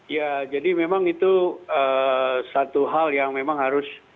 ya jadi memang itu satu hal yang memang harus